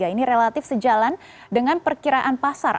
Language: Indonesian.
ini relatif sejalan dengan perkiraan pasar